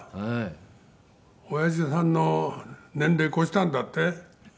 「親父さんの年齢超したんだって？」